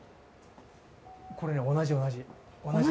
これね、同じ同じ。